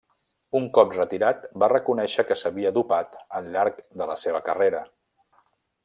Un cop retirat va reconèixer que s'havia dopat al llarg de la seva carrera.